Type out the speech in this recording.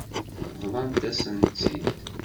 Bḍant-as-tt-id.